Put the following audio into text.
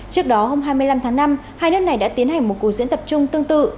trước đó hôm hai mươi năm tháng năm hai nước này đã tiến hành một cuộc diễn tập chung tương tự